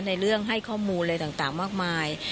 ในเรื่องให้ข้อมูลอะไรต่างมากมาย